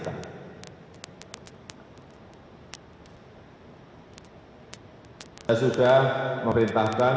saya meminta kementerian kesehatan dan kementerian kesehatan